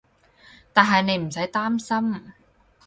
但係你唔使擔心